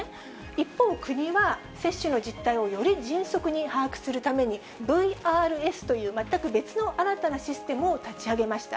一方、国は接種の実態をより迅速に把握するために、ＶＲＳという、全く別の新たなシステムを立ち上げました。